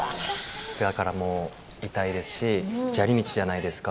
だから痛いですし砂利道じゃないですか。